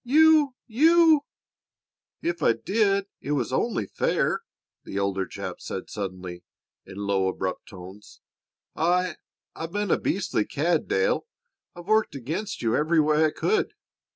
"You you "] "If I did, it was only fair," the older chap said suddenly, in low, abrupt tones. "I I've been a beastly cad, Dale. I've worked against you every way I could."